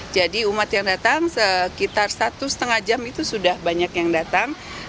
jadi umat yang datang sekitar satu setengah jam itu sudah banyak yang datang